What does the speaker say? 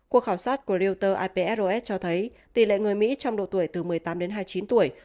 cuộc khảo sát của reuters ipsos cho thấy tỷ lệ người mỹ trong độ tuổi từ một mươi tám đến hai mươi chín tuổi